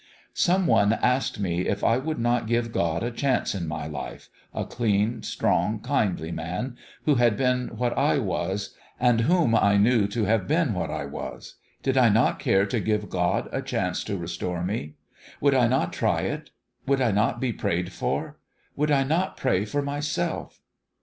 " Somebody asked me if I would not give God a chance in my life a clean, strong, kindly man ... wlio had been what I was, and whom I knew to have been what I was. ... Did I not care to give God a chance to restore me ? Would I not try it ? Would I not be prayed for ? Would I not pray for myself